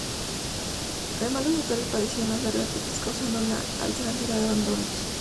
Además, los motores padecían las largas rectas, causando una alta cantidad de abandonos.